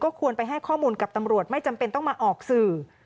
ควรไปให้ข้อมูลกับตำรวจไม่จำเป็นต้องมาออกสื่อ